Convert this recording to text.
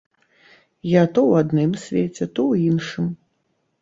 Я то ў адным свеце, то ў іншым.